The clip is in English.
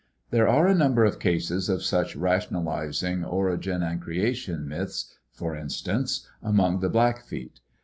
There are a number of cases of such rationalizing origin and creation myths, for instance among the Blackfeet.